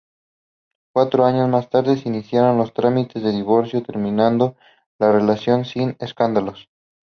Cuatro años más tarde iniciaron los trámites del divorcio, terminando la relación sin escándalos.